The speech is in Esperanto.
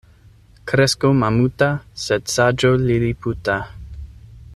Kresko mamuta, sed saĝo liliputa.